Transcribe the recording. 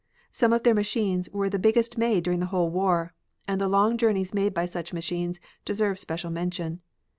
Some of their machines were the biggest made during the whole war, and the long journeys made by such machines deserve special mention.